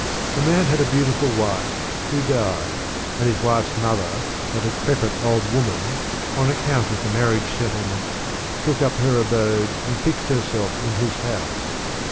A man had a beautiful wife, who died, and his wife's mother, a decrepit old woman, on account of the mar riage settlement,^ took up her abode, and fixed herself in his house.